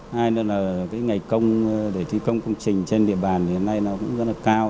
hai nữa là cái ngày công để thi công công trình trên địa bàn thì hiện nay nó cũng rất là cao